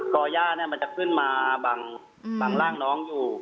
คอหญ้ามันจะขึ้นมาบังหลังน้องอยู่